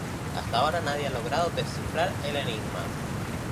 Hasta ahora nadie ha logrado descifrar el enigma.